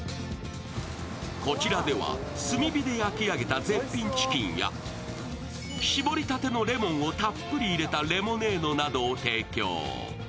こちらでは炭火で焼き上げた絶品チキンや搾りたてのレモンをたっぷり入れたレモネードなどを提供。